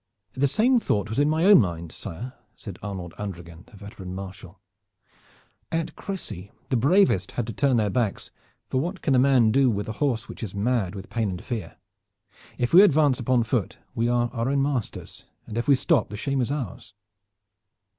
"The same thought was in my own mind, sire," said Arnold d'Andreghen the veteran Marshal. "At Crecy the bravest had to turn their backs, for what can a man do with a horse which is mad with pain and fear? If we advance upon foot we are our own masters, and if we stop the shame is ours."